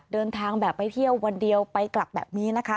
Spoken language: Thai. เดินทางแบบไปเที่ยววันเดียวไปกลับแบบนี้นะคะ